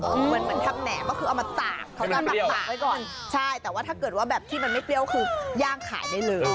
มันเหมือนทับแหน่กก็คือเอามาตากใช่แต่ว่าถ้าเกิดว่าแบบที่มันไม่เปรี้ยวคือย่างขายได้เลย